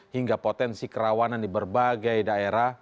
hingga potensi kerawanan di berbagai daerah